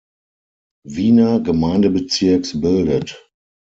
Wiener Gemeindebezirks bildet.